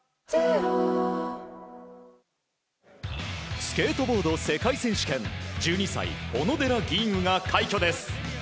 スケートボード世界選手権１２歳、小野寺吟雲が快挙です。